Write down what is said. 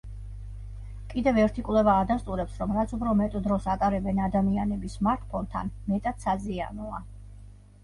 კიდევ ერთი კვლევა ადასტურებს, რომ რაც უფრო მეტ დროს ატარებენ ადამიანები სმარტფონთან, მეტად საზიანოა.